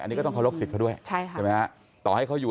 อันนี้ก็ต้องเขารกศิษย์เขาด้วยใช่ไหมครับต่อให้เขาอยู่